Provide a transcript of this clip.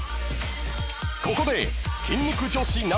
［ここで］